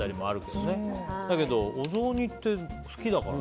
でもお雑煮って好きだから。